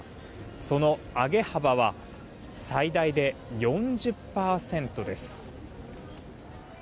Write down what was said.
その上げ幅は最大で４０％です。